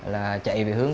là chạy về hướng